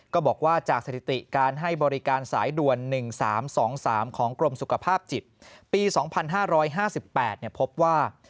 ก็บอกว่าจากสถิติการให้บริการสายด่วน๑๓๒๓ของกรมสุขภาพจิตปี๒๕๕๘พบว่า